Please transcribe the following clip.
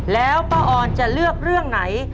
แล้วป้าออนจะเลือกเรื่องไหน